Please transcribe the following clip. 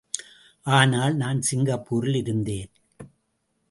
ஆனால், நான் சிங்கப்பூரில் இருந்தேன்.